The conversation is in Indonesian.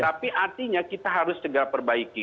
tapi artinya kita harus segera perbaiki